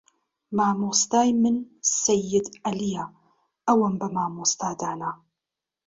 مامۆستای من سەید عەلیە ئەوم بە مامۆستا دانا